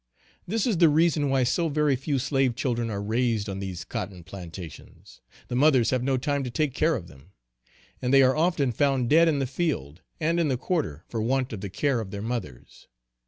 This is the reason why so very few slave children are raised on these cotton plantations, the mothers have no time to take care of them and they are often found dead in the field and in the quarter for want of the care of their mothers.